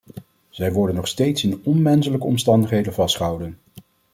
Zij worden nog steeds in onmenselijke omstandigheden vastgehouden.